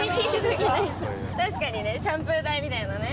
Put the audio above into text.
確かにねシャンプー台みたいなね。